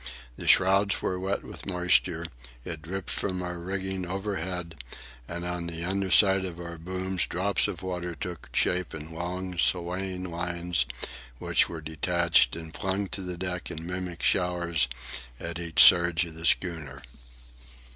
The shrouds were wet with moisture; it dripped from our rigging overhead; and on the underside of our booms drops of water took shape in long swaying lines, which were detached and flung to the deck in mimic showers at each surge of the schooner.